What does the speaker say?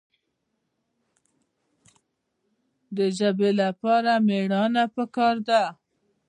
د ژبې لپاره مېړانه پکار ده.